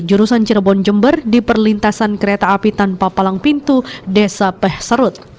jurusan cirebon jember di perlintasan kereta api tanpa palang pintu desa peh serut